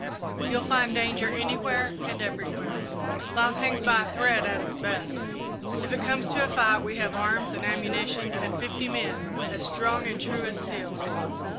You'll find danger anywhere and everywhere life hangs by a thread at its best. If it comes to a fight, we have arms and ammunition and fifty men, as strong and true as steel.